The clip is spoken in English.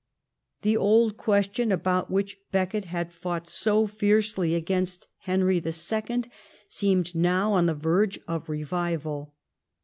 The old question about which Becket had fought so fiercely against Henry II. seemed now on the verge of revival.